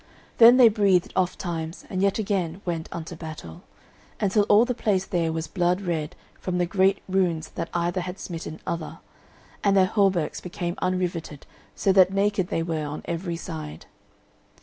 Then they breathed ofttimes, and yet again went unto battle, until all the place there was blood red from the great wounds that either had smitten other, and their hauberks became unriveted so that naked they were on every side.